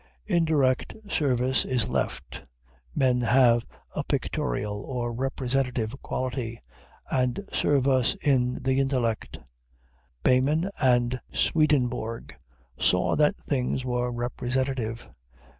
Indirect service is left. Men have a pictorial or representative quality, and serve us in the intellect. Behmen and Swedenborg saw that things were representative.